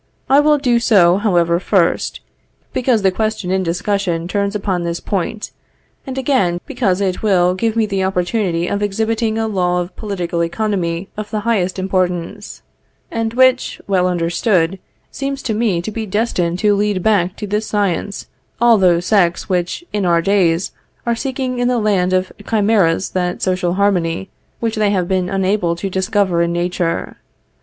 I will do so, however; first, because the question in discussion turns upon this point; and again, because it will give me the opportunity of exhibiting a law of political economy of the highest importance, and which, well understood, seems to me to be destined to lead back to this science all those sects which, in our days, are seeking in the land of chimeras that social harmony which they have been unable to discover in nature.